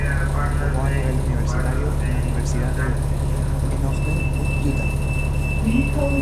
Jugó a nivel universitario en la universidad de en Ogden, Utah.